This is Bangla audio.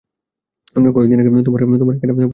কয়েকদিন আগে তোমার আর একখানা পত্র পেয়েছিলাম।